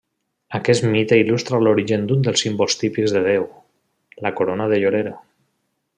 Aquest mite il·lustra l'origen d'un dels símbols típics del déu, la corona de llorer.